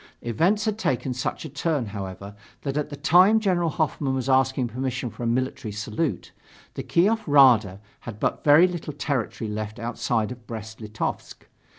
Events had taken such a turn, however, that at the time General Hoffmann was asking permission for a military salute, the Kiev Rada had but very little territory left outside of Brest Litovsk.